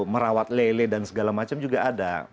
merawat lele dan segala macam juga ada